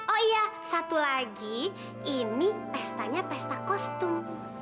oh iya satu lagi ini pestanya pesta kostum